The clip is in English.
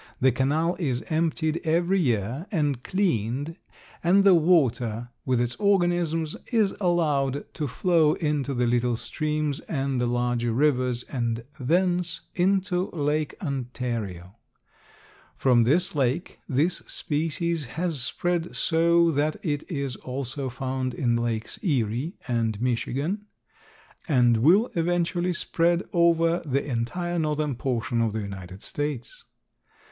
The canal is emptied every year and cleaned and the water, with its organisms, is allowed to flow into the little streams and the larger rivers and thence into Lake Ontario. From this lake this species has spread so that it is also found in Lakes Erie and Michigan, and will eventually spread over the entire northern portion of the United States.